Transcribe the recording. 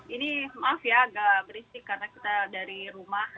ini maaf ya agak berisik karena kita dari rumah